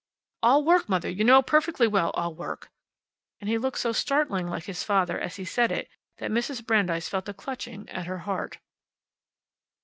"I'll work, Mother. You know perfectly well I'll work." But he looked so startlingly like his father as he said it that Mrs. Brandeis felt a clutching at her heart.